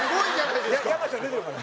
山ちゃん出てるから。